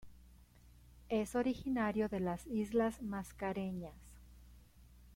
Es originario de las Islas Mascareñas.